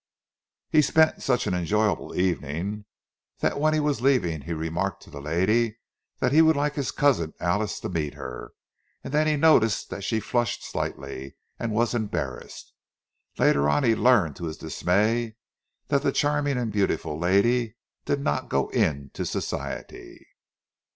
He spent such an enjoyable evening, that when he was leaving, he remarked to the lady that he would like his cousin Alice to meet her; and then he noticed that she flushed slightly, and was embarrassed. Later on he learned to his dismay that the charming and beautiful lady did not go into Society.